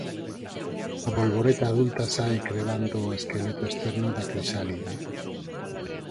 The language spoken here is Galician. A bolboreta adulta sae crebando o esqueleto externo da crisálide.